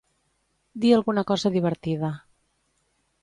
Dir alguna cosa divertida.